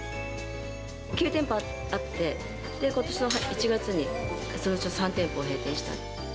９店舗あって、ことしの１月にそのうちの３店舗を閉店した。